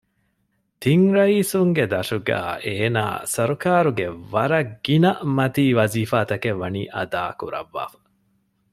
ތިން ރައީސުންގެ ދަށުގައި އޭނާ ސަރުކާރުގެ ވަރަށް ގިނަ މަތީ ވަޒީފާތަކެއް ވަނީ އަދާކުރައްވާފަ